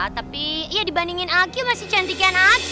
tapi ya dibandingin aku masih cantikkan aku